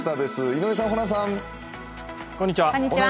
井上さん、ホランさん。